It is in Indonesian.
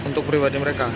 untuk pribadi mereka